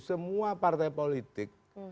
semua partai politik